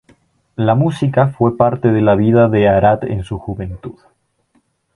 La música fue parte de la vida de Arad en su juventud.